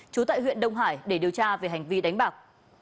trú tại huyện đông hải để điều tra về hành vi đánh bạc